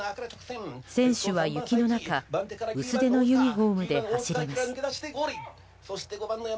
選手は雪の中薄手のユニホームで走ります。